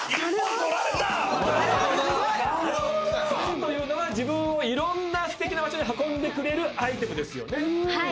靴というのは自分をいろんなすてきな場所に運んでくれるアイテムですよね。